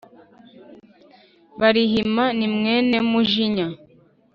Barihima ni mwene Mujinya.